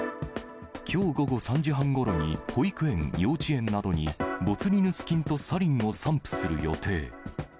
きょう午後３時半ごろに、保育園、幼稚園などに、ボツリヌス菌とサリンを散布する予定。